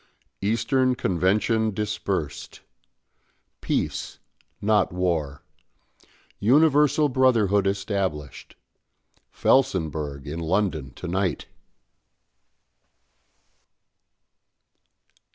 "EASTERN CONVENTION DISPERSED. PEACE, NOT WAR. UNIVERSAL BROTHERHOOD ESTABLISHED. FELSENBURGH IN LONDON TO NIGHT."